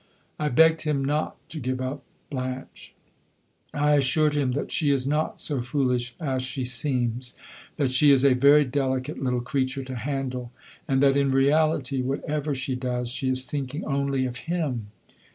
I begged him not to give up Blanche; I assured him that she is not so foolish as she seems; that she is a very delicate little creature to handle, and that, in reality, whatever she does, she is thinking only of him.